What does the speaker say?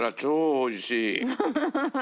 おいしい！